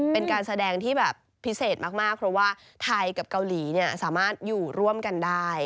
เป็นการแสดงที่แบบพิเศษมากเพราะว่าไทยกับเกาหลีสามารถอยู่ร่วมกันได้